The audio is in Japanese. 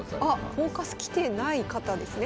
「フォーカス」来てない方ですね